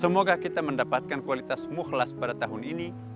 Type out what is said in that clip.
semoga kita mendapatkan kualitas mukhlas pada tahun ini